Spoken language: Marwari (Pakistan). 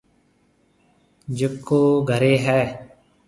جڪو گهريَ هيَ۔